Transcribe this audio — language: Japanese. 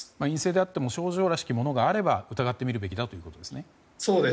陰性であっても症状らしきものがあれば疑ってみるべきだということですね。